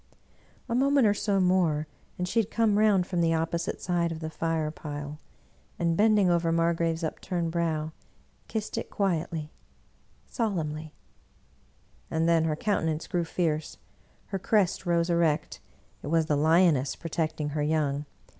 A moment or so more and she had come round from the opposite side of the fire pile, and bending over Margrave's upturned brow, kissed it quietly, solemnly; and then her countenance grew fierce, her crest rose erect: it was the lioness protecting her young.